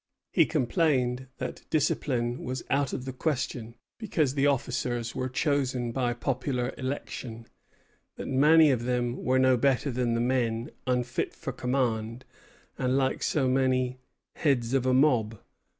He complained that discipline was out of the question, because the officers were chosen by popular election; that many of them were no better than the men, unfit for command, and like so many "heads of a mob."